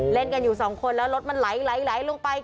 เล่นกันอยู่สองคนแล้วรถมันไหลลงไป